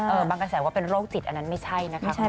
เออบางกระแสว่ว่าเป็นโรคติดอันนั้นไม่ใช่นะคะคุณพ่อป่วย